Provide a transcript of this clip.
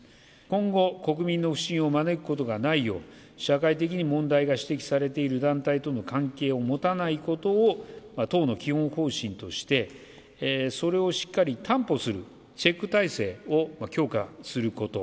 今後、国民の不信を招くことがないよう、社会的に問題が指摘されている団体との関係を持たないことを党の基本方針として、それをしっかり担保するチェック体制を強化すること。